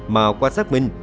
mà quan sát mình